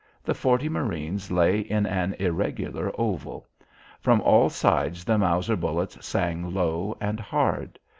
The forty marines lay in an irregular oval. From all sides, the Mauser bullets sang low and hard.